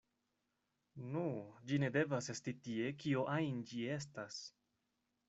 “Nu, ĝi ne devas esti tie, kio ajn ĝi estas.